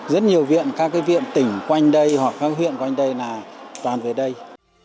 rất nhiều viện các viện tỉnh quanh đây hoặc các huyện quanh đây là toàn về đây